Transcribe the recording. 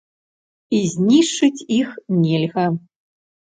І знішчыць іх нельга.